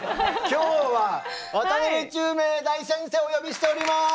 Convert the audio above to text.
今日は渡辺宙明大先生をお呼びしております！